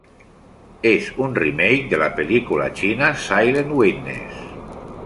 Es un remake de la película China "Silent Witness".